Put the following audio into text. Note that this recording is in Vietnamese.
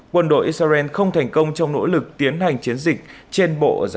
quân đội israel không thành công trong nỗ lực tiến hành chiến dịch trên bộ ở gaza